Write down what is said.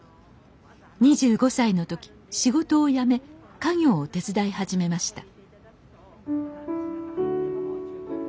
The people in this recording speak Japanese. ２５歳の時仕事を辞め家業を手伝い始めました